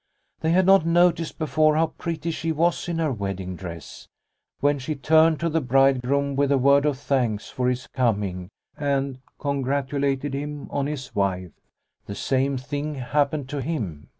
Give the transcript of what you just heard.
They had not noticed before how pretty she was in her wedding dress. When she turned to the bridegroom with a word of thanks for his coming and congratulated him on his wife, the same thing happened to him.